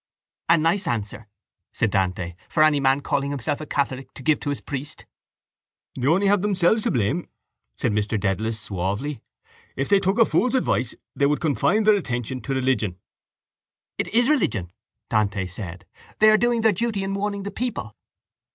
_ —A nice answer, said Dante, for any man calling himself a catholic to give to his priest. —They have only themselves to blame, said Mr Dedalus suavely. If they took a fool's advice they would confine their attention to religion. —It is religion, Dante said. They are doing their duty in warning the people.